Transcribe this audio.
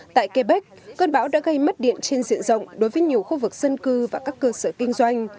tại quebec cơn bão đã gây mất điện trên diện rộng đối với nhiều khu vực dân cư và các cơ sở kinh doanh